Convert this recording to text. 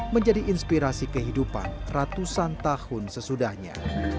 menjadi inspirasi kehidupan ratusan tahun sesudahnya